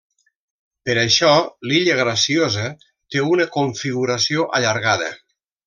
Per això l'illa Graciosa té una configuració allargada.